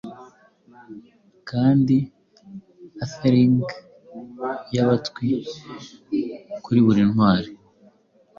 Kandi atheling yabatwi kuri buri ntwari